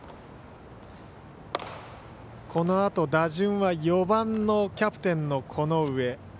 このあと打順は４番のキャプテンの此上。